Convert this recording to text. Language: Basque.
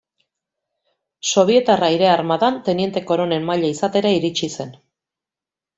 Sobietar Aire Armadan teniente-koronel maila izatera iritsi zen.